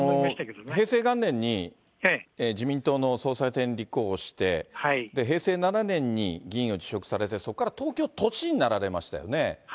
平成元年に自民党の総裁選に立候補して、平成７年に議員を辞職されて、そこから東京都知事になられましたよね。